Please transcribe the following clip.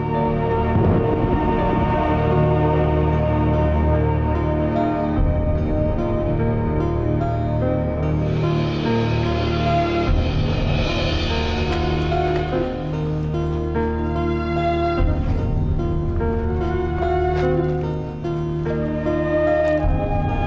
kalau bapak datang